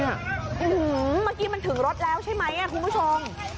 เมื่อกี้มันถึงรถแล้วใช่ไหมคุณผู้ชม